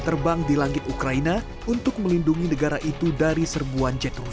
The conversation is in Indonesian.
tapi kita juga percaya bahwa jika kita melakukan itu